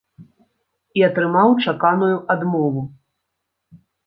І атрымаў чаканую адмову.